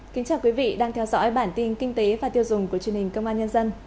kính chào quý vị đang theo dõi bản tin kinh tế và tiêu dùng của truyền hình công an nhân dân